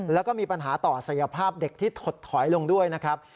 แล้วก็มีปัญหาต่อศักยภาพเด็กที่ถดถอยลงด้วยนะครับ